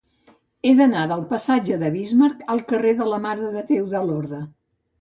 He d'anar del passatge de Bismarck al carrer de la Mare de Déu de Lorda.